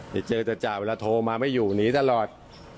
ไปเจอจ่าเวลาโทรมาไม่อยู่หนีตลอด